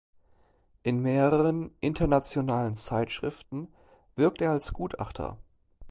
In mehreren internationalen Zeitschriften wirkt er als Gutachter.